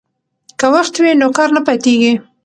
که وخت وي نو کار نه پاتیږي.